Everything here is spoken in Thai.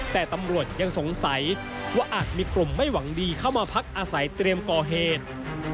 แต่ตำรวจยังสงสัยว่าอาจมีกลุ่มไม่หวังดีเข้ามาพักอาศัยเตรียมก่อเหตุ